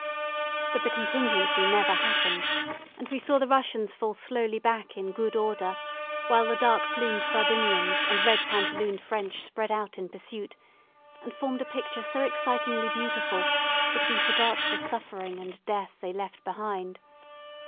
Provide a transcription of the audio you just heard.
But the contingency never happened; and we saw the Russians fall slowly back in good order, while the dark plumed Sardinians and red pantalooned French spread out in pursuit, and formed a picture so excitingly beautiful that we forgot the suffering and death they left behind.